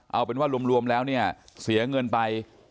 เอาเป็นว่ารวมแล้วเนี่ยเสียเงินไป